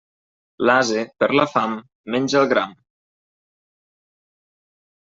L'ase, per la fam, menja el gram.